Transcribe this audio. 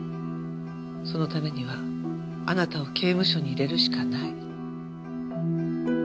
そのためにはあなたを刑務所に入れるしかない。